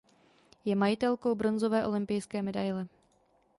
Je majitelkou bronzové olympijské medaile.